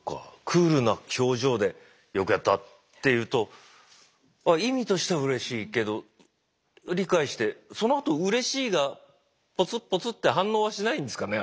クールな表情で「よくやった」って言うとあ意味としてはうれしいけど理解してそのあとうれしいが「ポツッポツッ」って反応はしないんですかね